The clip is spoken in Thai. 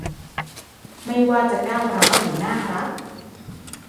ไม่ว่าจะก้าวร้าวหรือน่ารัก